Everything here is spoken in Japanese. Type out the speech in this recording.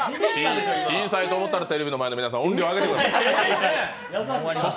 小さいと思ったら、テレビの前の皆さん、音量を上げてください。